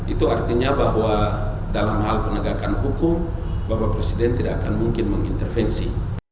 itu artinya bahwa dalam hal penegakan hukum bapak presiden tidak akan mungkin mengintervensi